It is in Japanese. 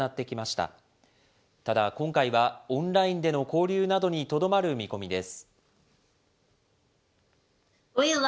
ただ、今回はオンラインでの交流などにとどまる見込みです。